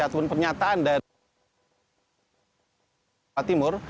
ataupun pernyataan dari jawa timur